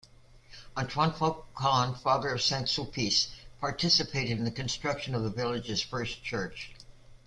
Antoine Faucon, father of Saint-Sulpice, participated in the construction of the village's first church.